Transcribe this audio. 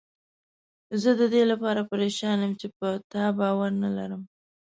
زه ددې لپاره پریشان یم چې په تا باور نه لرم.